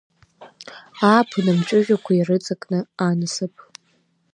Ааԥын амҵәыжәҩақәа ирыҵакны анасыԥ…